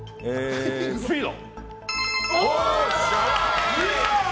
スピード！